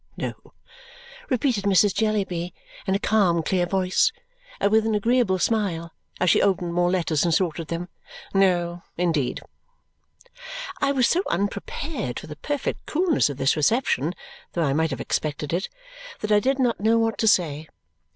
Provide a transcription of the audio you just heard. No," repeated Mrs. Jellyby in a calm clear voice, and with an agreeable smile, as she opened more letters and sorted them. "No, indeed." I was so unprepared for the perfect coolness of this reception, though I might have expected it, that I did not know what to say.